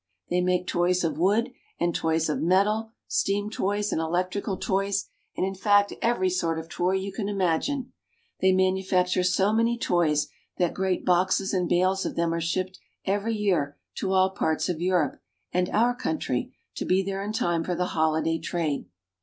They make toys of wood, and toys of metal, steam toys, and electrical toys, and in fact every sort of toy you can imagine. They manufacture so many toys that great boxes and bales of them are shipped every year to all parts of Europe and our country, to be there in time for the holiday trade.